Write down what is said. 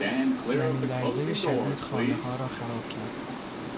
زمین لرزهٔ شدید خانه ها را خراب کرد.